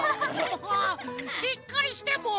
しっかりしてもう！